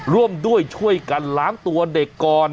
ร่วมด้วยช่วยกันล้างตัวเด็กก่อน